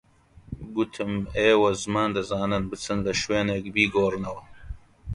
گوتم ئێوە زمان دەزانن، بچن لە شوێنێک بیگۆڕنەوە